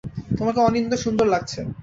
তোমাকে অনিন্দ্য সুন্দর লাগছে।